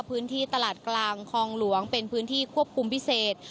พื้นที่ตลาดกลางคลองหลวงเป็นพื้นที่ควบคุมพิเศษ